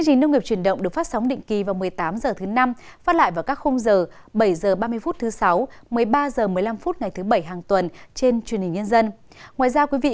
xin kính chào và hẹn gặp lại trong các chương trình sau